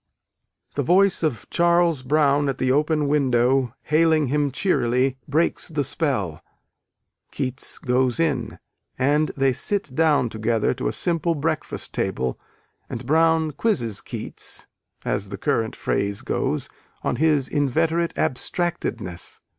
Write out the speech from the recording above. _ The voice of Charles Brown at the open window, hailing him cheerily, breaks the spell; Keats goes in, and they sit down together to a simple breakfast table, and Brown "quizzes" Keats, as the current phrase goes, on his inveterate abstractedness.